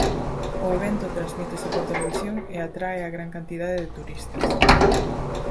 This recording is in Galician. O evento transmítese por televisión e atrae a gran cantidade de turistas.